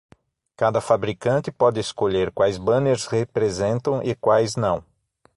Cada fabricante pode escolher quais banners representam e quais não.